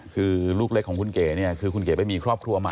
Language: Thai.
คือลูกเล็กของคุณเก๋เนี่ยคือคุณเก๋ไปมีครอบครัวใหม่